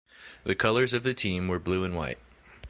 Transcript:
The colours of the team were blue and white.